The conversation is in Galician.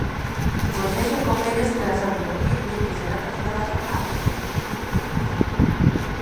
Forcexa con eles tras advertirlle que será trasladado a dependencias policiais.